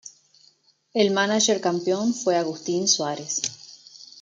El mánager campeón fue Agustín Suárez.